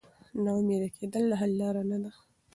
نا امیده کېدل د حل لاره نه ده.